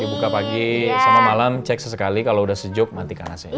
dibuka pagi sama malam cek sesekali kalau udah sejuk matikan ac nya